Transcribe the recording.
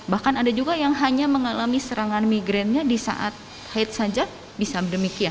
bahkan ada juga yang hanya mengalami serangan migrannya di saat haid saja bisa demikian